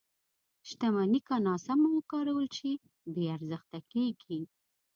• شتمني که ناسمه وکارول شي، بې ارزښته کېږي.